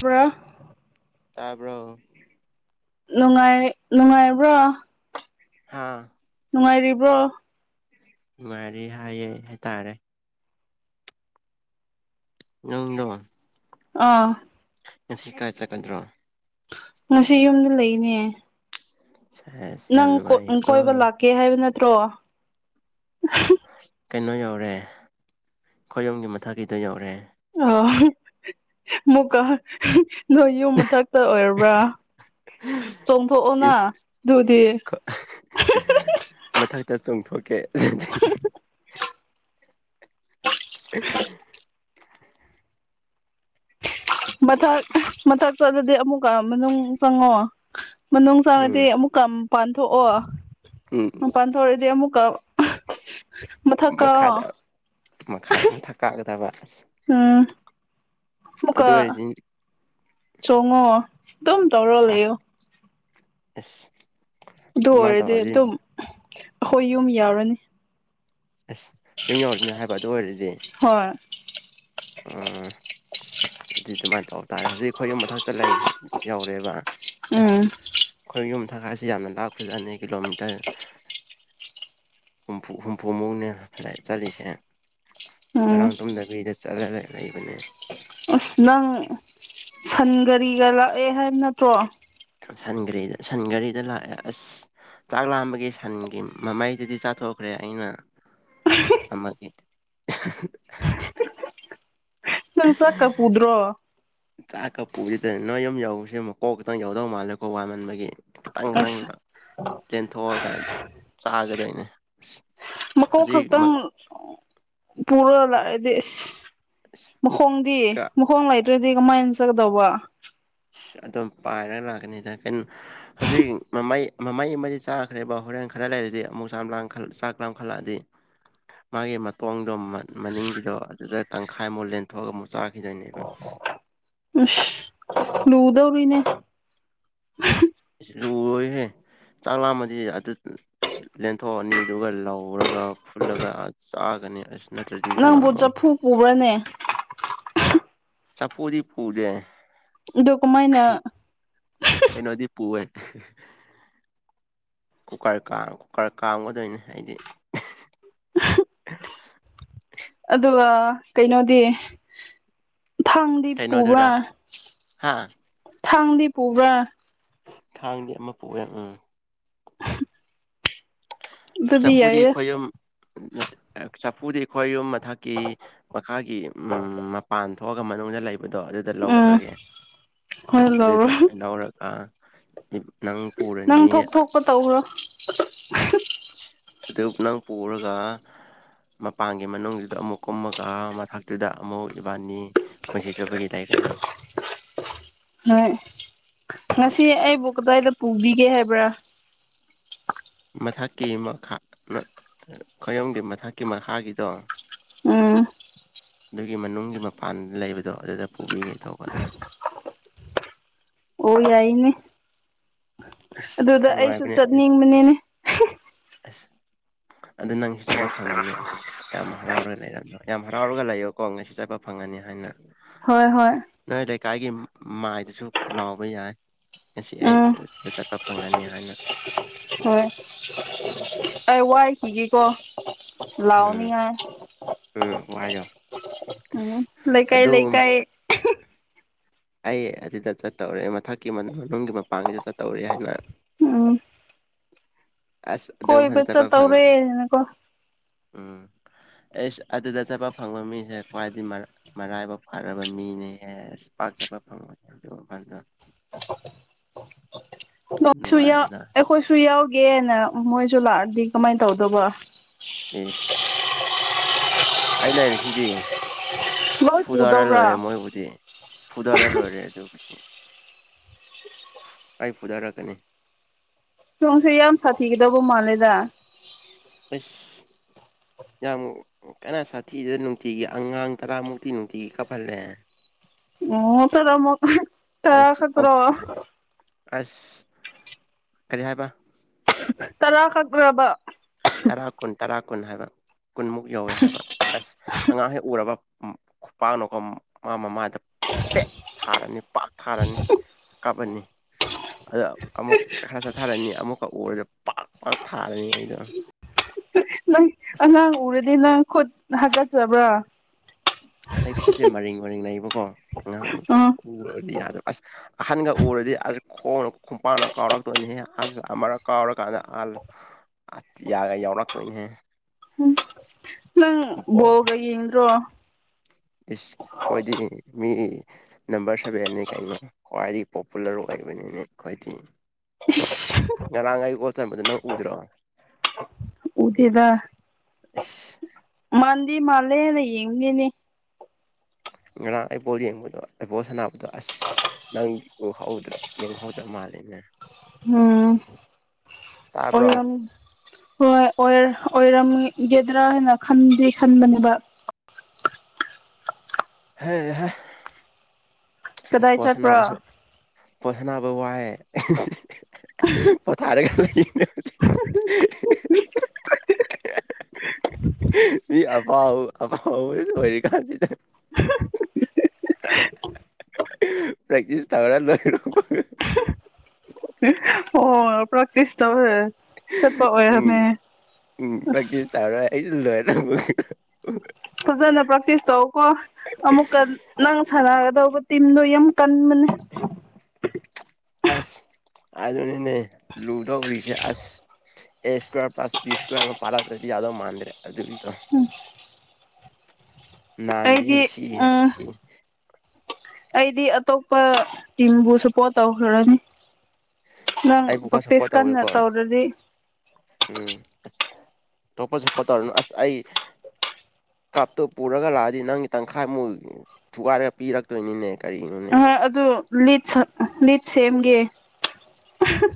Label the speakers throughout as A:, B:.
A: ꯄ꯭ꯔꯥ
B: ꯇꯥꯕ꯭ꯔꯣ
A: ꯅꯨꯡꯉꯥꯏ ꯅꯨꯡꯉꯥꯏꯕ꯭ꯔꯣ
B: ꯍꯥꯥ
A: ꯅꯨꯡꯉꯥꯏꯔꯤꯕ꯭ꯔꯣ
B: ꯅꯨꯉꯥꯢꯔꯤ ꯍꯥꯏꯌꯦ ꯍꯥꯏꯇꯥꯔꯦ ꯅꯪꯗꯣ
A: ꯑꯥ
B: ꯉꯁꯤ ꯀꯥꯏ ꯆꯠꯀꯗ꯭ꯔꯣ
A: ꯉꯁꯤ ꯌꯨꯝꯗ ꯂꯩꯅꯤ
B: ꯁꯦꯁ ꯌꯥꯝ ꯅꯨꯉꯥꯢꯀꯣ
A: ꯀꯦ ꯍꯥꯏꯕ ꯅꯠꯇ꯭ꯔꯣ [unintelligible]
B: ꯀꯩꯅꯣ ꯌꯧꯔꯦ ꯈꯣꯢ ꯌꯨꯝꯒꯤ ꯃꯊꯛꯀꯤꯗꯣ ꯌꯧꯔꯦ
A: ꯑꯣ ꯃꯨꯛꯀꯥ [unintelligible] ꯅꯣꯏ ꯌꯨꯝ ꯃꯊꯛꯇ ꯑꯣꯏꯔꯕ꯭ꯔꯥ ꯆꯣꯡꯊꯣꯛꯑꯣꯅ
B: ꯏꯁ
A: ꯑꯗꯨꯗꯤ
B: ꯈ ꯃꯊꯛꯇ ꯆꯣꯡꯊꯣꯛꯀꯦ [inaudible]
A: ꯃꯊꯛ ꯃꯊꯛ ꯆꯠꯂꯗꯤ ꯑꯃꯨꯛꯀ ꯃꯅꯨꯡ ꯆꯪꯉꯣ ꯃꯅꯨꯡ
B: ꯎꯝ
A: ꯆꯪꯉꯗꯤ ꯑꯃꯨꯛ ꯄꯥꯟꯊꯣꯛꯑꯣ
B: ꯎꯝ
A: ꯄꯥꯟꯊꯣꯔꯗꯤ ꯑꯃꯨꯛꯀ ꯃꯊꯛ ꯀꯥꯑꯣ
B: ꯃꯈꯥꯗ ꯃꯈꯥ ꯃꯊꯛ ꯀꯥꯒꯗꯕ ꯑ
A: ꯎꯝ ꯑꯃꯨꯛꯀ
B: ꯑꯗꯨꯑꯣꯢꯔꯗꯤ
A: ꯆꯣꯡꯉꯣ ꯑꯗꯨꯝ ꯇꯧꯔꯣ
B: ꯑ
A: ꯂꯩꯌꯣ
B: ꯑꯁ
A: ꯑꯗꯨ
B: ꯑꯗꯨꯃꯥꯏꯅ
A: ꯑꯣꯏꯔꯗꯤ
B: ꯇꯧꯔꯗꯤ
A: ꯑꯗꯨꯝ ꯑꯩꯈꯣꯏ ꯌꯨꯝ ꯌꯥꯎꯔꯅꯤ
B: ꯑꯁ ꯌꯨꯝ ꯌꯧꯔꯤꯅꯦ ꯍꯥꯏꯕ ꯑꯗꯨ ꯑꯣꯏꯔꯗꯤ
A: ꯍꯣꯏ
B: ꯎꯝ ꯑꯗꯨ ꯑꯗꯨꯃꯥꯏꯅ ꯇꯧꯕ ꯇꯥꯔꯦ ꯍꯧꯖꯤꯛ ꯑꯩꯈꯣꯏꯒꯤ ꯃꯊꯛꯇ ꯂꯩꯈ꯭ꯔꯦ ꯌꯧꯔꯦꯕ ꯑꯁ
A: ꯎꯝ
B: ꯑꯩꯈꯣꯏ ꯌꯨꯝ ꯊꯪꯀꯥꯏꯁꯤ ꯌꯥꯝꯅ ꯂꯥꯛꯄ ꯆꯅꯤ ꯀꯤꯂꯣꯃꯤꯇꯔ ꯍꯨ ꯍꯨꯝꯐꯨ ꯃꯧꯅ ꯂꯩ ꯆꯂꯤꯁꯦ
A: ꯎꯝ
B: ꯉꯔꯥꯡ ꯇꯨꯝꯗꯕꯤꯗ ꯆꯠꯂꯒ ꯂꯩꯕꯅꯦ
A: ꯑꯁ ꯅꯪ ꯁꯟ ꯀꯔꯤꯒ ꯂꯥꯛꯑꯦ ꯍꯥꯏꯕ ꯅꯠꯇ꯭ꯔꯣ
B: ꯁꯟ ꯘꯔꯤꯗ ꯁꯟ ꯘꯔꯤꯗ ꯂꯥꯛꯑꯦ ꯑꯁ ꯆꯥꯛ ꯂꯥꯝꯕꯒꯤ ꯁꯟꯒꯤ ꯃꯃꯩꯗꯗꯤ ꯆꯥꯊꯣꯛꯈ꯭ꯔꯦ ꯑꯩꯅ ꯑꯃ
A: ꯅꯪ ꯆꯠꯀ ꯄꯨꯗ꯭ꯔꯣ
B: ꯆꯥꯛꯀ ꯄꯨꯔꯤꯗꯅ ꯅꯣꯏ ꯌꯨꯝ ꯌꯧꯁꯤꯨꯛ ꯀꯣꯛ ꯈꯤꯛꯇꯪ ꯌꯧꯗꯧ ꯃꯥꯜꯂꯦꯀꯣ ꯋꯥꯃꯟꯕꯒꯤ ꯈꯤꯇꯪ ꯈꯤꯇꯪ
A: ꯑꯁ
B: ꯂꯦꯟꯊꯣꯛꯑꯒ ꯆꯥꯒꯗꯣꯏꯅꯦ
A: ꯃꯀꯣꯛ ꯈꯛꯇꯪ
B: ꯍꯧꯖꯤꯛꯃꯛꯀ
A: ꯄꯨꯔ ꯂꯥꯛꯑꯗꯤꯁ ꯃꯈꯣꯡꯗꯤ ꯃꯈꯣꯡ ꯂꯩꯇ꯭ꯔꯣꯏꯗꯤ ꯒ ꯃꯥꯏꯟꯁꯒꯗꯧꯕ
B: ꯑꯗꯨꯝ ꯄꯥꯏꯔꯒ ꯂꯥꯛꯀꯅꯤꯗ ꯀꯩꯅꯣ ꯍꯧꯖꯤꯛ ꯃꯃꯩ ꯃꯃꯩ ꯑꯃꯗꯤ ꯆꯥꯈ꯭ꯔꯦꯕ ꯍꯣꯔꯦꯟ ꯈꯔ ꯂꯩꯔꯗꯤ ꯑꯃꯨꯛ ꯆꯥꯝ ꯂꯥꯡ ꯀꯈꯂꯛꯑꯗꯤ ꯃꯥꯒꯤ ꯃꯇꯣꯡꯗꯣ ꯃꯅꯤꯡꯒꯤꯗꯣ ꯑꯗꯨꯗ ꯇꯪꯈꯥꯏꯃꯨꯛ ꯂꯦꯟꯊꯣꯛꯑꯒ ꯑꯃꯨꯛ ꯆꯥꯈꯤꯗꯣꯏꯅꯦꯕ
A: ꯂꯨꯗꯧꯔꯤꯅꯦ
B: ꯂꯔꯣꯏꯍꯦ ꯆꯥꯛꯂꯛꯑꯝꯃꯗꯤ ꯑꯗꯨ ꯂꯦꯟꯊꯣꯛꯑꯅꯤ ꯑꯗꯨꯒ ꯂꯧꯔꯒ ꯐꯨꯜꯂꯒ ꯆꯥꯒꯅꯤ ꯑꯁ ꯅꯠꯇ꯭ꯔꯗꯤ
A: ꯅꯪꯕꯨ
B: ꯉꯝꯃꯣꯏ
A: ꯆꯐꯨ ꯄꯨꯕ꯭ꯔꯅꯦ
B: ꯆꯐꯨꯗꯤ ꯄꯨꯗꯦ
A: ꯑꯗꯨ ꯀꯃꯥꯏꯅ
B: ꯀꯩꯅꯣꯗꯤ ꯄꯨꯋꯦ ꯀꯨꯀꯔ ꯀꯨꯀꯔ ꯀꯥꯝꯒꯗꯣꯏꯅꯤ ꯑꯩꯗꯤ
A: ꯑꯗꯨꯒ ꯀꯩꯅꯣꯗꯤ ꯊꯥꯡꯗꯤ
B: ꯀꯩꯅꯣꯗꯨꯔꯥ
A: ꯄꯨꯕꯔꯥ
B: ꯍꯥ
A: ꯊꯥꯡꯗꯤ ꯄꯨꯕꯔꯥ
B: ꯊꯥꯡꯗꯤ ꯑꯃ ꯄꯣꯛꯑꯦ ꯎꯝ
A: ꯎꯝ
B: ꯆꯐꯨꯗꯤ
A: ꯌꯥꯏꯌꯦ
B: ꯈꯣꯏꯌꯨꯝ ꯆꯐꯨꯗꯤ ꯑꯩ ꯈꯣꯏꯌꯨꯝ ꯃꯊꯛꯀꯤ ꯃꯈꯥꯒꯤ ꯎꯝ ꯃꯄꯥꯟ ꯊꯣꯛꯑꯒ ꯃꯅꯨꯡꯗ ꯂꯩꯕꯗꯣ ꯑꯗꯨ ꯗ
A: ꯎꯝ
B: ꯂꯧꯈ꯭ꯔꯒꯦ
A: ꯍꯣꯏ
B: ꯑꯗꯨꯗ
A: ꯂꯧꯔꯣ
B: ꯑꯣꯏ ꯂꯧꯔꯒ ꯅꯪ
A: ꯅꯪ
B: ꯄꯨꯔꯅꯤ
A: ꯊꯣꯛ ꯊꯣꯛꯄ ꯇꯧ꯭ꯈꯔꯣ
B: ꯑꯗꯨ ꯄꯨꯂꯞ ꯄꯨꯔꯒ ꯃꯄꯥꯟꯒꯤ ꯃꯅꯨꯡꯗꯨꯗ ꯑꯃꯨꯛ ꯀꯨꯝꯃꯒ ꯃꯊꯛꯇꯨꯗ ꯑꯃꯨꯛ ꯏꯕꯥꯅꯤ ꯄꯨꯟꯁꯤ ꯆꯨꯞꯕꯒꯤ ꯂꯩꯔꯅꯤ
A: ꯍꯣꯏ ꯉꯁꯤ ꯑꯩꯕꯨ ꯀꯗꯥꯏꯗ ꯄꯨꯕꯤꯒꯦ ꯍꯥꯏꯕ꯭ꯔꯥ
B: ꯃꯊꯛꯀꯤ ꯃꯈꯥ ꯈꯌꯣꯝꯒꯤ ꯃꯊꯛꯀꯤ ꯃꯈꯥꯒꯤꯗꯣ
A: ꯎꯝ
B: ꯑꯗꯨꯒꯤ ꯃꯅꯨꯡꯒꯤ ꯃꯄꯥꯟ ꯂꯩꯕꯗꯣ ꯑꯗꯨꯗ ꯄꯨꯕꯤꯒꯦ ꯇꯧꯕ
A: ꯑꯣ ꯌꯥꯏꯅꯦ
B: ꯑꯁ
A: ꯑꯗꯨꯗ ꯑꯩꯁꯨ
B: ꯅꯨꯡꯉꯥꯏꯕꯅꯦ ꯑꯗꯨ
A: ꯆꯠꯅꯤꯡꯕꯅꯤꯅꯦ
B: ꯑꯁ ꯑꯗꯨ ꯅꯪ ꯆꯠꯄ ꯐꯪꯒꯅꯤ ꯑꯁ ꯌꯥꯝ ꯍꯔꯥꯎꯔꯒ ꯂꯩꯔꯝ ꯌꯥꯝ ꯍꯔꯥꯎꯔꯒ ꯂꯩꯌꯣꯀꯣ ꯉꯁꯤ ꯆꯠꯄ ꯐꯪꯉꯅꯤ ꯍꯥꯏꯅ
A: ꯍꯣꯏ ꯍꯣꯏ
B: ꯅꯣꯏ ꯂꯩꯀꯥꯏꯒꯤ ꯃꯥꯏꯗꯁꯨ ꯂꯥꯎꯕ ꯌꯥꯏ ꯉꯁꯤ ꯑꯩ
A: ꯎꯝ
B: ꯗ ꯆꯠꯄ ꯐꯪꯉꯅꯤ ꯍꯥꯏꯅ
A: ꯍꯣꯏ ꯑꯩ ꯋꯥꯏꯈꯤꯒꯦꯀꯣ
B: ꯎꯝ
A: ꯂꯥꯎꯅꯤ ꯉꯥꯏ
B: ꯎꯝ ꯋꯥꯏꯌꯣ
A: ꯎꯝ
B: ꯑꯁ
A: ꯂꯩꯀꯥꯏ
B: ꯑꯗꯨ
A: ꯂꯩꯀꯥꯏ
B: ꯑꯩ ꯑꯗꯨꯗ ꯆꯠꯇꯧꯔꯦ ꯃꯊꯛꯀꯤ ꯃꯅꯨꯡꯒꯤ ꯃꯄꯥꯡꯒꯤꯗ ꯆꯠꯇꯧꯔꯦ ꯍꯥꯏꯅ
A: ꯎꯝ
B: ꯑꯁ ꯑꯗꯨꯝ
A: ꯀꯣꯏꯕ
B: ꯐꯖꯅ ꯆꯠꯄ ꯐꯪ
A: ꯆꯠꯇꯧꯔꯦꯅꯀꯣ
B: ꯎꯝ ꯑꯩꯁ ꯑꯗꯨꯗ ꯆꯠꯄ ꯐꯪꯕ ꯃꯤꯁꯦ ꯈ꯭ꯋꯥꯏꯗꯒꯤ ꯃꯔꯥꯏ ꯃꯔꯥꯏꯕꯛ ꯐꯥꯔꯕ ꯃꯤꯅꯦ ꯄꯥꯛꯆꯠꯄ ꯐꯪꯉꯣꯏꯅꯦ ꯑꯗꯨ ꯃꯐꯝꯗꯣ
A: ꯅ
B: ꯅꯨꯡꯉꯥꯏꯕꯅ
A: ꯑꯩꯈꯣꯏꯁꯨ ꯌꯥꯎꯒꯦꯅ ꯃꯣꯏꯁꯨ ꯂꯥꯛꯑꯗꯤ ꯀꯃꯥꯏꯅ ꯇꯧꯗꯧꯕ
B: ꯑꯩꯁ ꯑꯩ ꯂꯩꯔꯤꯁꯤꯗꯤ
A: ꯂꯣꯏ
B: ꯐꯨꯗꯔ ꯂꯣꯏꯔꯦ
A: ꯄꯨꯗꯧꯕ꯭ꯔꯥ
B: ꯃꯣꯏꯕꯨꯗꯤ ꯐꯨꯗꯔ ꯂꯣꯏꯔꯦ ꯑꯗꯨꯕꯨꯗꯤ ꯑꯩ ꯐꯨꯗꯔꯛꯀꯅꯤꯓ
A: ꯁꯣꯝꯁꯦ ꯌꯥꯝ ꯁꯥꯊꯤꯒꯗꯧꯕ ꯃꯥꯜꯂꯦꯗ
B: ꯑꯩꯁ ꯌꯥꯝ ꯀꯟꯅ ꯁꯥꯊꯤꯗꯦ ꯅꯨꯡꯇꯤꯒꯤ ꯑꯉꯥꯡ ꯇꯔꯥꯃꯨꯛꯇꯤ ꯅꯨꯡꯇꯤꯒꯤ ꯀꯥꯞꯍꯜꯂꯦ
A: ꯑꯣ ꯇꯔꯥꯃꯨꯛ ꯇꯔꯥ
B: ꯑꯃꯨꯛꯐꯨ
A: ꯈꯛꯇꯔꯣ
B: ꯑꯃꯨꯛꯐꯨ ꯑꯁ ꯀꯔꯤ ꯍꯥꯏꯕ
A: ꯇꯔꯥꯈꯛ ꯇꯔꯥꯕ
B: ꯇꯔꯥ ꯀꯨꯟ ꯇꯔꯥ ꯀꯨꯟ ꯍꯥꯏꯕ ꯀꯨꯟꯃꯨꯛ ꯌꯧꯋꯦ ꯍꯥꯏꯕ ꯑꯁ ꯑꯉꯥꯡ ꯍꯦꯛ ꯎꯔꯕ ꯄꯥꯅꯨꯀꯣ ꯃꯥ ꯃ ꯃꯥ ꯄꯦꯛ ꯊꯥꯔꯅꯤ ꯄꯥꯛ ꯊꯥꯔꯅꯤ ꯀꯞꯄꯅꯤ ꯑꯗ ꯑꯃꯨꯛꯀ ꯈꯔ ꯆꯠꯊꯔꯅꯤ ꯑꯃꯨꯛꯀ ꯎꯔꯗꯤ ꯄꯥꯛ ꯄꯥꯛ ꯊꯥꯔꯅꯤ ꯑꯩꯗꯣ
A: ꯅꯪ
B: ꯑꯁ
A: ꯑꯉꯥꯡ ꯎꯔꯗꯤ ꯅꯪ ꯈꯨꯠ ꯍꯥꯒꯠꯆꯕ꯭ꯔꯥ
B: ꯑꯩ ꯈꯨꯠꯁꯦ ꯃꯔꯤꯡ ꯃꯔꯤꯡ ꯂꯩꯩꯕꯀꯣ
A: ꯎꯝ
B: ꯎꯔꯗꯤ ꯌꯥꯗꯣ ꯑꯁ ꯑꯍꯟꯒ ꯎꯔꯗꯤ ꯑꯁ ꯈꯣꯡꯅ ꯈꯣꯡꯄꯥꯛꯅ ꯀꯥꯎꯔꯛꯇꯣꯏꯅꯤ ꯑꯁ ꯑꯃꯔꯛ ꯀꯥꯎꯔꯀꯥꯟꯗ ꯑꯜ
A: [unintelligible]
B: ꯑ ꯌꯥꯒ ꯌꯥꯎꯔꯛꯇꯣꯏꯅꯦꯍꯦ
A: ꯎ ꯅꯪ ꯕꯣꯜꯒ ꯌꯦꯡꯗ꯭ꯔꯣ
B: ꯏ ꯈꯣꯏꯗꯤ ꯃꯤ ꯅꯝꯕꯔ ꯁꯚꯦꯟꯅꯤ ꯀꯩꯅꯣ ꯈ꯭ꯋꯥꯏꯗꯒꯤ ꯄꯣꯄꯨꯂꯔ ꯑꯣꯏꯕꯅꯤꯅꯦ ꯈ꯭ꯋꯥꯗꯤ ꯉꯥꯔꯥꯡ ꯑꯩ ꯕꯣꯜ ꯆꯟꯕꯗꯣ ꯅꯪ ꯎꯗ꯭ꯔꯣ
A: ꯎꯗꯦꯗꯥ
B: ꯏꯁ
A: ꯃꯥꯟꯗꯤ ꯃꯥꯜꯂꯦꯅ ꯌꯦꯡꯕꯅꯤꯅꯦ
B: ꯉꯔꯥꯡ ꯑꯩ ꯕꯣꯜ ꯌꯦꯡꯕꯗꯣ ꯑꯩ ꯕꯣꯜ ꯁꯥꯟꯅꯕꯗꯣ ꯑꯁ ꯅꯪ ꯎꯍꯧꯗ꯭ꯔꯥ ꯌꯦꯡꯍꯧꯗ꯭ꯔꯥ ꯃꯥꯂꯅꯦ
A: ꯎꯝ
B: ꯇꯥꯕ꯭ꯔꯣ
A: ꯑꯣꯢꯔꯝ ꯍꯣꯏ ꯑꯣꯏꯔꯝꯒꯗ꯭ꯔꯥ ꯍꯥꯏꯅ ꯈꯟꯗꯤ ꯈꯟꯕꯅꯦꯕ
B: ꯍꯩꯍꯥ
A: ꯀꯗꯥꯏ
B: ꯏꯁꯄꯣꯔꯠꯁ
A: ꯆꯠꯄ꯭ꯔꯣ
B: ꯁꯥꯟꯕꯁꯨ ꯕꯣꯜ ꯁꯥꯟꯅꯕ ꯋꯥꯏꯑꯦ ꯄꯣꯊꯔꯒ ꯂꯩꯕꯅꯦ
A: [unintelligible]
B: ꯏ ꯑꯐꯥꯎ ꯑꯐꯥꯎꯕꯥ ꯑꯣꯏꯔꯤꯀꯥꯟꯁꯤꯗ ꯄ꯭ꯔꯦꯛꯇꯤꯁ ꯇꯧꯔ ꯂꯣꯏꯔꯣ
A: ꯑꯣ ꯄ꯭ꯔꯛꯇꯤꯁ ꯇꯧ
B: ꯎꯝ ꯎꯝ
A: ꯑꯁ
B: ꯇꯥꯎꯔ ꯍꯥꯏ ꯂꯦ
A: ꯐꯖꯅ ꯄ꯭ꯔꯦꯛꯇꯤꯁ ꯇꯧ ꯀꯣ ꯑꯃꯨꯛꯀ ꯅꯪ ꯁꯥꯟꯅꯒꯗꯧꯕ ꯇꯤꯝꯗꯣ ꯌꯥꯝ ꯀꯟꯕꯅꯦ
B: ꯑꯁ ꯑꯗꯨꯅꯤꯅꯦ ꯂꯨ ꯇꯧꯔꯤꯁꯦ ꯑꯁ ꯑꯦ ꯏꯁꯀ꯭ꯋꯥꯔ ꯄ꯭ꯂꯁ ꯕꯤ ꯏꯁꯀ꯭ꯋꯥꯔ ꯄꯥꯟꯗ꯭ꯔꯗꯤ ꯌꯥꯗꯧ ꯃꯥꯟꯗ꯭ꯔꯦ ꯑꯗꯨ ꯑꯗꯨꯒꯤꯗꯣ ꯅꯍꯥꯟꯗꯤ
A: ꯑꯩꯗꯤ
B: ꯁꯤ
A: ꯎꯝ
B: ꯁꯤ
A: ꯑꯩꯗꯤ ꯑꯇꯣꯞꯄ ꯇꯤꯝꯕꯨ ꯁꯄꯣꯔꯠ ꯇꯧꯈ꯭ꯔꯅꯤ ꯅꯪ
B: ꯑꯩꯕꯨ ꯈꯔ
A: ꯄ꯭ꯔꯦꯛꯇꯤꯁ
B: ꯁꯞꯄꯣꯔꯠ
A: ꯀꯟꯅ
B: ꯇꯧꯋꯦꯀꯣ
A: ꯇꯧꯔꯗꯤ
B: ꯎꯝ ꯇꯣꯞꯄ ꯁꯄꯣꯠ ꯇꯧꯔꯅ ꯑꯁ ꯑꯩ ꯀꯞꯇꯣ ꯄꯨꯔꯒ ꯂꯥꯛꯑꯗꯤ ꯅꯪꯒꯤ ꯇꯪꯈꯥꯏꯃꯨꯛ ꯊꯨꯒꯥꯏꯔꯒ ꯄꯤꯔꯛꯇꯣꯏꯅꯤꯅꯦ ꯀꯔꯤꯅꯣꯅꯦ
A: ꯑ ꯑꯗꯨ ꯂꯤꯠ ꯂꯤꯠ ꯁꯦꯝꯒꯦ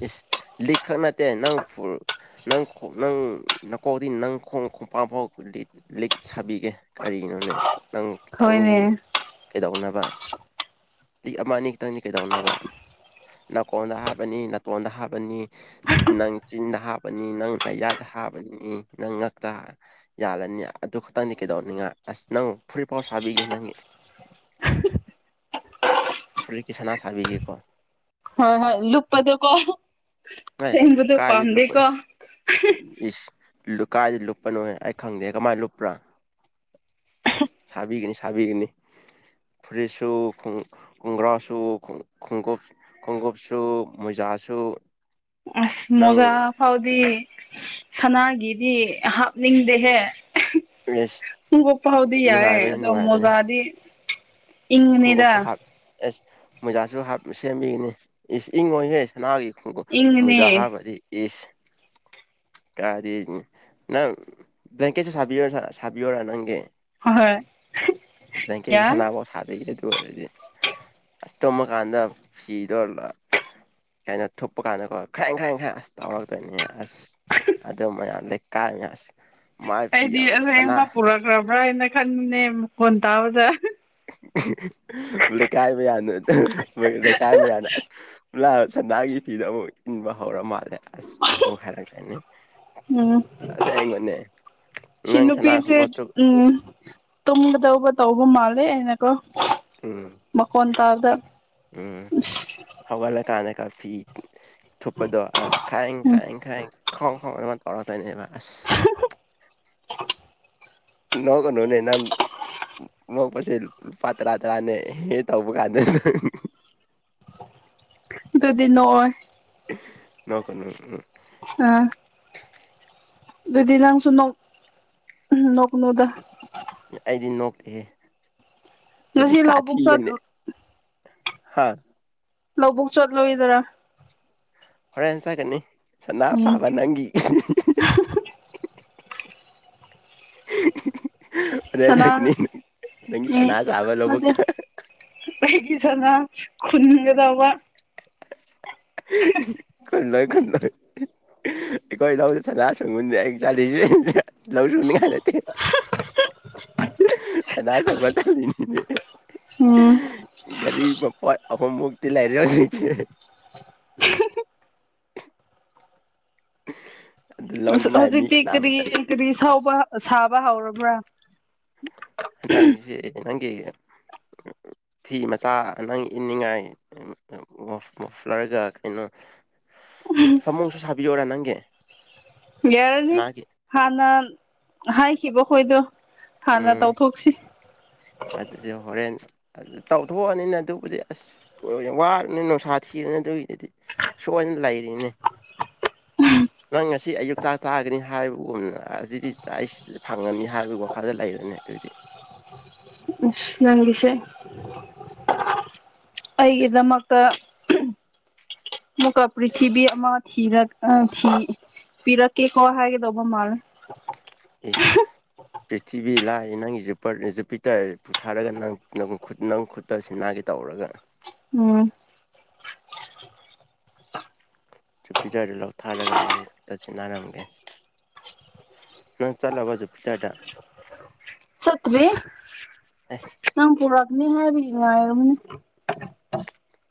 B: ꯏꯁ ꯂꯤꯛ ꯈꯛ ꯅꯠꯇꯦ ꯅꯪ ꯅꯪ ꯅꯪ ꯅꯀꯣꯛꯗꯤ ꯅꯪ ꯈꯣꯡ ꯈꯣꯡꯄꯥꯛ ꯐꯥꯎ ꯂꯤꯠ ꯁꯥꯕꯤꯒꯦ ꯀꯔꯤꯅꯣꯅꯦ ꯅꯪ ꯅꯪꯒꯤ
A: ꯍꯣꯏꯅꯦ
B: ꯀꯩꯗꯧꯅꯕ ꯂꯤꯛ ꯑꯃ ꯑꯅꯤ ꯈꯛꯇꯪꯗꯤ ꯀꯩꯗꯧꯅꯕ ꯅꯥꯀꯣꯟꯗ ꯍꯥꯞꯄꯅꯤ ꯇꯣꯟꯗ ꯍꯥꯞꯄꯅꯤ ꯅꯪ ꯆꯤꯟꯗ ꯍꯥꯞꯕꯅꯤ ꯅꯪ ꯅꯌꯥꯗ ꯍꯥꯞꯄꯅꯤ ꯅꯪ ꯉꯛꯇ ꯌꯥꯜꯂꯅꯤ ꯑꯗꯨ ꯈꯛꯇꯪꯗꯤ ꯀꯩꯗꯧꯅꯤꯉꯥꯏ ꯑꯁ ꯅꯪ ꯐꯨꯔꯤꯠꯐꯥꯎ ꯁꯥꯕꯤꯒꯦ ꯅꯪꯒꯤ ꯐꯨꯔꯤꯠꯀꯤ ꯁꯅꯥ ꯁꯥꯕꯤꯒꯦꯀꯣ
A: ꯍꯣꯏ ꯍꯣꯏ ꯂꯨꯞꯄꯗꯣꯀꯣ
B: ꯑꯦ
A: ꯁꯦꯡꯕꯗꯣ
B: ꯀꯥꯏꯗꯩ
A: ꯄꯥꯝꯗꯦꯀꯣ
B: ꯀꯥꯏꯗ ꯂꯨꯞꯄꯅꯣ ꯑꯩ ꯈꯪꯗꯦ ꯀꯃꯥꯏꯅ ꯂꯨꯞꯄ꯭ꯔꯥ ꯁꯥꯕꯤꯒꯅꯤ ꯁꯥꯕꯤꯒꯅꯤ ꯐꯨꯔꯤꯠꯁꯨ ꯈꯣꯡꯒ꯭ꯔꯥꯁꯨ ꯈꯣꯡꯎꯨꯞ ꯈꯣꯡꯎꯨꯞꯁꯨ ꯃꯣꯖꯥꯁꯨ
A: ꯑꯁ
B: ꯅꯪ
A: ꯃꯣꯖꯥꯐꯥꯎꯗꯤ ꯁꯅꯥꯒꯤꯗꯤ ꯍꯥꯞꯅꯤꯡꯗꯦꯍꯦ
B: ꯢꯁ
A: ꯨꯈꯣꯡꯎꯨꯞꯐꯥꯎꯗꯤ ꯌꯥꯏꯑꯦ ꯑꯗꯣ ꯃꯣꯖꯥꯗꯤ ꯏꯪꯉꯅꯤꯗ
B: ꯈꯣꯡꯎꯞꯁꯨ ꯍꯥꯞ ꯑꯦꯁ ꯃꯣꯖꯥꯁꯨ ꯍꯥꯞ ꯁꯦꯝꯕꯤꯒꯅꯤ ꯏꯪꯉꯣꯏꯍꯦ ꯁꯅꯥꯒꯤ ꯈꯣꯡ
A: ꯏꯪꯉꯅꯤ
B: ꯃꯣꯏꯖꯥ ꯍꯥꯏꯕꯗꯤ ꯢꯁ ꯀꯔꯤ ꯅꯪ ꯕ꯭ꯂꯀꯦꯠꯁꯨ ꯁ ꯁꯕꯤꯋꯨꯔ ꯅꯪꯒꯤ
A: ꯍꯣꯏ
B: ꯀ
A: ꯌꯥꯏ
B: ꯁꯅꯕ [inaudible] ꯁꯥꯗꯣꯢꯅꯦ ꯑꯗꯨ ꯑꯣꯏꯔꯗꯤ ꯑꯁ ꯇꯨꯝꯃꯀꯥꯟꯗ ꯐꯤꯗꯣ ꯀꯥꯏꯅ ꯊꯨꯞꯄ ꯀꯥꯟꯗꯀꯣ ꯈ꯭ꯔꯥꯏ ꯈ꯭ꯔꯥꯏ ꯈ꯭ꯔꯥꯏ ꯑꯁ ꯇꯧꯔꯛꯇꯣꯏꯅꯤ ꯑꯁ ꯑꯗꯨ ꯃꯌꯥꯝ ꯂꯩꯀꯥꯏ ꯉꯁꯤ [inaudible]
A: ꯑꯩꯗꯤ ꯑꯁꯦꯡꯕ ꯄꯨꯔꯛꯈ꯭ꯔꯕ꯭ꯔꯥ ꯍꯥꯏꯅ ꯈꯟꯕꯅꯦ ꯃꯈꯣꯟ ꯇꯥꯕꯗ
B: ꯄꯨ ꯀꯥꯏ ꯃꯤꯌꯥꯅꯦ ꯀꯥꯏ ꯃꯌꯥꯅꯥ [inaudible] ꯁꯅꯤꯒꯤ ꯐꯤꯗꯨ ꯑꯃꯨꯛ ꯏꯟꯕ ꯍꯧꯔ ꯃꯥꯜꯂꯦ ꯑꯁ ꯑꯃꯨꯛ ꯍꯥꯏꯔꯛꯀꯅꯤ
A: ꯎꯝ
B: ꯑꯁꯦꯡꯕꯅꯦ
A: ꯁꯤ
B: ꯅꯪ ꯁꯅꯥ
A: ꯅꯨꯄꯤꯁꯦ
B: ꯈꯨꯡꯎꯨꯞꯇꯨ
A: ꯎꯝ ꯇꯨꯝꯒꯗꯧꯕ ꯇꯧꯕ ꯃꯥꯜꯂꯦ ꯑꯩꯅꯀꯣ ꯃꯈꯣꯟ ꯇꯥꯕꯗ
B: ꯍꯧꯒꯠꯂꯒꯥꯟꯗ ꯀꯥꯐꯤ ꯊꯨꯞꯄꯗꯣ ꯑꯁ ꯈꯥꯏꯪ
A: ꯎꯝ
B: ꯈꯥꯏꯪ ꯈꯥꯏꯪ ꯈ꯭ꯔꯣꯡ ꯈ꯭ꯔꯣꯡ ꯑꯗꯨ ꯇꯧꯔꯛꯇꯣꯏꯅꯦꯕ ꯑꯁ
A: [inaudible]
B: ꯅꯣꯛꯒꯅꯨꯅꯦ ꯅꯪ ꯅꯣꯛꯄꯁꯦ ꯐꯥ ꯇꯔꯥ ꯇꯔꯥꯅꯦ [inaudible] ꯍꯦ ꯇꯧꯕ ꯀꯥꯟꯗ
A: ꯑꯗꯨꯗꯤ ꯅꯣꯛꯑꯣꯢ
B: ꯅꯣꯛꯒꯅꯨ
A: ꯑꯥ ꯑꯗꯨꯗꯤ ꯂꯪꯁꯨ ꯅꯣꯛ ꯅꯣꯛꯒꯅꯨꯗ
B: ꯑꯩꯗꯤ ꯅꯣꯛꯀꯦ
A: ꯉꯁꯤ ꯂꯧꯕꯨꯛ ꯆꯠꯇꯔꯣ
B: ꯍꯥꯥ
A: ꯂꯧꯕꯨꯛ ꯆꯠꯂꯣꯢꯗꯔꯥ
B: ꯍꯣꯔꯦꯟ ꯆꯠꯒꯅꯤ ꯁꯅꯥ
A: ꯎꯝ
B: ꯁꯥꯕ ꯅꯪꯒꯤ ꯍꯣꯔꯦꯟ
A: ꯁꯅꯥ
B: ꯆꯠꯒꯅꯤ
A: ꯎꯝ
B: ꯁꯅꯥ ꯁꯥꯕ
A: ꯅꯠꯇꯦ
B: ꯂꯧꯕꯨꯛꯇ
A: ꯑꯩꯒꯤ ꯁꯅ ꯈꯨꯟꯒꯗꯧꯕ
B: ꯈꯨꯟꯂꯣꯢ ꯈꯨꯟꯂꯣꯢ ꯑꯩꯈꯣꯏ ꯂꯧꯗ ꯁꯅꯥ [inaudible] ꯁꯪꯒꯨꯟꯁꯦ ꯑꯩ ꯆꯥꯂꯤꯁꯦ ꯂꯧ ꯁꯨꯅꯤꯡꯉꯥꯏ ꯅꯠꯇꯦ ꯁꯅꯥ ꯁꯪꯕ ꯆꯠꯂꯤꯅꯤꯅꯦ
A: ꯎꯝ
B: ꯒꯥꯔꯤ ꯃꯄꯣꯠ ꯑꯍꯨꯝꯃꯨꯛꯇꯤ ꯂꯥꯏꯔꯅꯤ ꯑꯗꯨ
A: ꯑ
B: ꯂꯧꯅꯤꯡꯉꯥꯏ ꯃꯤ
A: ꯍꯧꯖꯤꯛꯇꯤ ꯀꯔꯤ
B: ꯀꯅꯥꯃꯇ
A: ꯀꯔꯤ ꯁꯥꯎꯕ ꯁꯥꯕ ꯍꯧꯔꯕ꯭ꯔꯥ
B: ꯦ ꯅꯪ ꯀꯦꯒꯦ [inaudible]
A: [unintelligible]
B: ꯐꯤ ꯃꯆꯥ ꯅꯪ ꯏꯅꯤꯡꯉꯥꯏ ꯃꯐꯂꯥꯔꯒ ꯀꯩꯅꯣ
A: ꯎꯝ
B: ꯁꯃꯣꯡꯁꯨ ꯁꯥꯕꯤ ꯌꯣꯔꯥ ꯅꯪꯒꯦ
A: ꯌꯥꯔꯅꯤ ꯍꯥꯟꯅ ꯍꯥꯏꯈꯤꯕ ꯈꯣꯏꯗꯣ ꯍꯥꯟꯅ
B: ꯎꯝ
A: ꯇꯧꯊꯣꯛꯁꯤ
B: ꯍꯣꯔꯦꯟ ꯑꯗꯨ ꯇꯧꯊꯣꯛꯑꯅꯤꯅ ꯑꯗꯨꯕꯨꯗꯤ ꯑꯁ ꯋꯥꯔꯕꯅꯤꯅ ꯅꯨꯡꯁꯥ ꯊꯤꯔꯅꯤ ꯑꯗꯨꯒꯤꯗꯨꯗꯤ ꯁꯣꯏꯅ ꯂꯩꯔꯤꯅꯦ
A: ꯎꯝ
B: ꯅꯪ ꯉꯁꯤ ꯑꯌꯨꯛꯇ ꯇꯥꯒꯅꯤ ꯍꯥꯏꯕꯒꯨꯝꯅ ꯑꯗꯨꯗꯤ ꯑꯩꯁ ꯁꯤ ꯐꯪꯉꯅꯤ ꯍꯥꯏꯕꯒꯤ ꯋꯥꯈꯜꯗ ꯂꯩꯔꯅꯦ ꯑꯗꯨꯑꯣꯏꯗꯤ
A: ꯎ ꯅꯪꯁꯦ ꯑꯩꯒꯤꯗꯃꯛꯇ ꯃꯨꯀꯥꯄꯔꯤ ꯊꯕꯤꯃ ꯊꯔ ꯊ ꯄꯤꯔꯛꯀꯦꯀꯣ ꯍꯥꯏꯒꯗꯧꯕ ꯃꯥꯜꯅꯦ
B: ꯏ ꯄ꯭ꯔꯤꯊꯤꯕꯤ ꯂꯥꯛꯑ ꯅꯪꯖꯄꯖꯄꯤ ꯇꯔ ꯄꯨꯨꯊꯥꯔꯒ ꯅ ꯅꯪ ꯈꯨꯠꯇꯁꯤ ꯃꯥꯅꯥꯒꯤ ꯇꯧꯔꯒ
A: ꯎꯝ
B: ꯁ ꯄꯤꯖꯔꯦ ꯂꯧꯊꯔꯒ ꯅꯪ ꯈꯨꯛꯇ ꯁꯤꯟꯅꯔꯝꯒꯦ ꯅꯪ ꯆꯂꯣ ꯁꯨꯨ ꯆꯇ
A: ꯆꯠꯇ꯭ꯔꯤ
B: ꯍ
A: ꯏ ꯄꯨꯔꯛꯗꯅꯤ ꯍꯥꯏ ꯌꯥꯔꯅꯤ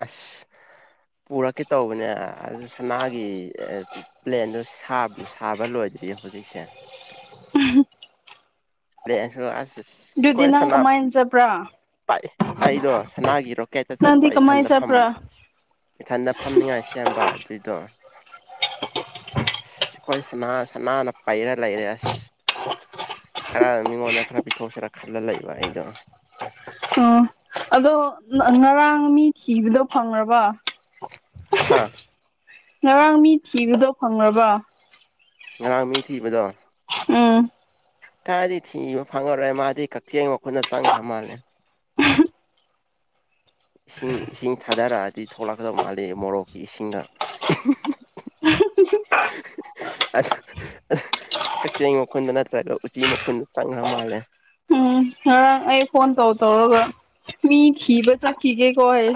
B: ꯑꯁ ꯄꯨꯔꯛꯀꯦ ꯇꯧꯕꯅꯦ ꯑꯗꯨ ꯁꯅꯥꯒꯤ ꯄ꯭ꯂꯦꯟꯗꯨ ꯁꯥꯕ ꯂꯣꯏꯗ꯭ꯔꯤꯌꯦ ꯍꯧꯖꯤꯛꯁꯦ ꯂꯩ ꯑꯁ
A: ꯑꯗꯨꯗꯨꯗꯤ
B: ꯑꯩꯈꯣꯏ
A: ꯅꯪ
B: ꯁꯅꯥ
A: ꯀꯃꯥꯏꯅ ꯆꯕ꯭ꯔꯥ
B: ꯄꯥꯏ ꯑꯩꯗꯣ ꯁꯅꯥꯒꯤ ꯔꯣꯀꯦꯠꯇ
A: ꯅꯪꯗꯤ
B: ꯆꯠꯄ
A: ꯀꯃꯥꯏꯅ
B: ꯏꯊꯟꯗ ꯐ
A: ꯆꯠꯄ꯭ꯔꯥ
B: ꯏꯊꯟꯗ ꯐꯝꯅꯤꯉꯥꯏ ꯁꯦꯝꯕ ꯑꯗꯨꯏꯗꯣ ꯑꯁ ꯑꯩꯈꯣꯏ ꯁꯅꯥ ꯁꯅꯥꯅ ꯄꯩꯔ ꯂꯩꯔꯦ ꯑꯁ ꯈꯔ ꯃꯤꯉꯣꯟꯗ ꯈꯔ ꯄꯤꯊꯣꯛꯁꯤꯔ ꯈꯜꯂ ꯂꯩꯕ ꯑꯩꯗꯣ
A: ꯎꯝ ꯑꯗꯣ ꯉꯔꯥꯡ ꯃꯤ ꯊꯤꯕꯗꯣ ꯐꯪꯕ
B: ꯍꯝ
A: ꯉꯔꯥꯡ ꯃꯤ ꯊꯤꯕꯗꯣ ꯐꯪꯕ
B: ꯉꯔꯥꯡ ꯃꯤ ꯊꯤꯕꯗꯣ
A: ꯎꯝ
B: ꯀꯥꯏꯗꯤ ꯊꯤꯕ ꯐꯪꯉꯔꯣꯏ ꯃꯥꯗꯤ ꯀꯛꯆꯦꯡ ꯃꯈꯨꯠꯅ ꯆꯪꯈ꯭ꯔ ꯃꯥꯜꯂꯦ ꯏꯁꯤꯡ ꯏꯁꯤꯡ ꯊꯥꯗꯔꯛꯑꯗꯤ ꯊꯣꯛꯂꯛꯀꯗꯧ ꯃꯥꯜꯂꯤ ꯃꯣꯔꯣꯛꯀꯤ ꯏꯁꯤꯡꯗ
A: [unintelligible]
B: ꯀꯛꯆꯤꯡ ꯃꯈꯨꯜꯗ ꯅꯠꯇ꯭ꯔꯒ ꯎꯆꯤ ꯃꯈꯨꯟꯗ ꯆꯪꯈ꯭ꯔ ꯃꯥꯜꯂꯦ
A: ꯎꯝ ꯉꯔꯥꯡ ꯑꯩ ꯐꯣꯟ ꯇꯧ ꯇꯧꯔꯒ ꯃꯤꯤꯕ ꯆꯠꯈꯤꯒꯦꯀꯣ ꯑꯩ